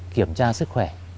kiểm tra sức khỏe